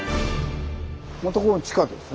またこれも地下ですね。